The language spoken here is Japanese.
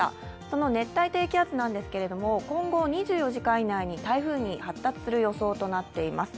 その熱帯低気圧なんですけれども今後、２４時間以内に台風に発達する予想となっています。